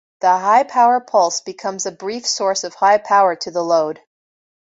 This high power pulse becomes a brief source of high power to the load.